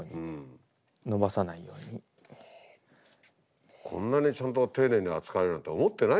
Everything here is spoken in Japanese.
こんなにちゃんと丁寧に扱えるなんて思ってないよね。